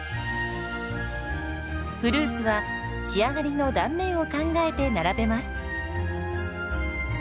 フルーツは仕上がりの断面を考えて並べます。